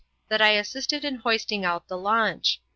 That I assisted in hoisting out the launch.